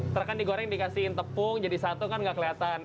terus kan digoreng dikasihin tepung jadi satu kan gak kelihatan